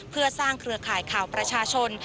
เพื่อสร้างเครือข่ายข่าวประชาชน